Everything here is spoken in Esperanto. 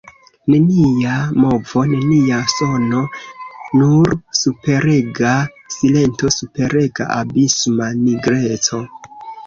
Nenia movo, nenia sono, nur superega silento, superega, abisma nigreco.